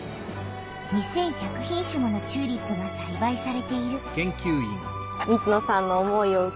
２，１００品種ものチューリップがさいばいされている。